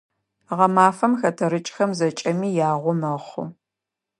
Гъэмафэм хэтэрыкӀхэм зэкӀэми ягъо мэхъу.